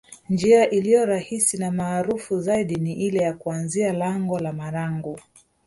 Njia iliyo rahisi na maarufu zaidi ni ile ya kuanzia lango la Marangu